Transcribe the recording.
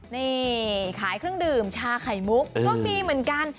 นี่ขายเครื่องดื่มชาไข่มุกก็มีเหมือนกัน